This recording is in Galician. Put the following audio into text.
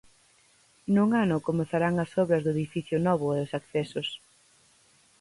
Nun ano comezarán as obras do edificio novo e os accesos.